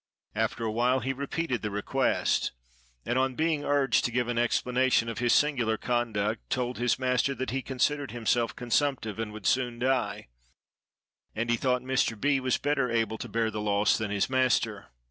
After a while he repeated the request; and, on being urged to give an explanation of his singular conduct, told his master that he considered himself consumptive, and would soon die; and he thought Mr. B—— was better able to bear the loss than his master.